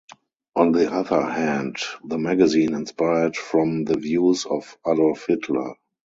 On the other hand, the magazine inspired from the views of Adolf Hitler.